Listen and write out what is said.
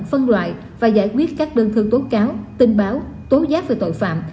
phân loại và giải quyết các đơn thư tố cáo tin báo tố giác về tội phạm